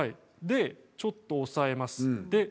ちょっと押さえます。